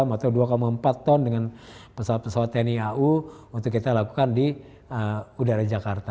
atau dua empat ton dengan pesawat pesawat tni au untuk kita lakukan di udara jakarta